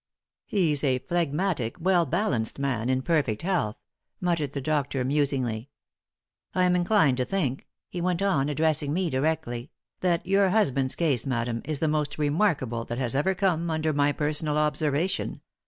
"He's a phlegmatic, well balanced man, in perfect health," muttered the doctor, musingly. "I am inclined to think," he went on, addressing me directly, "that your husband's case, madam, is the most remarkable that has ever come under my personal observation.